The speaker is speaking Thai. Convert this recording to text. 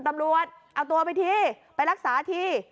ตำรวจเอาตัวไปทีไปรักษาที